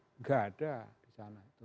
enggak ada disana itu